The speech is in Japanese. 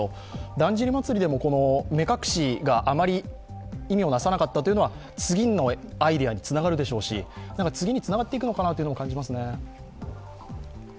だんじり祭でも目隠しがあまり意味をなさなかったというのは、次のアイデアにつながるでしょうし、次につながっていくのかなっていうのを感じますね。